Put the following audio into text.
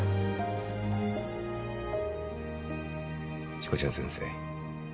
しこちゃん先生。